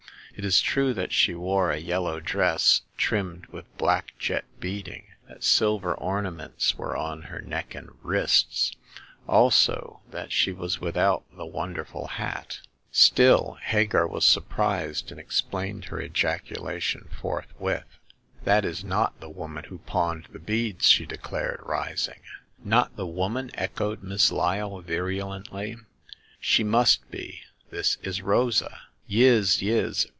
It is true that she wore a yellow dress trimmed with black jet beading ; that silver ornaments were on her neck and wrists ; also that she was without the wonderful hat. Still, Hagar was surprised, and explained her ejacula tion forthwith. 72 Hagar of the Pawn Shop. " That is not the woman who pawned the beads !" she declared, rising. Not the woman ?" echoed Miss Lyle, viru lently. She must be ! This is Rosa !"Yis, yis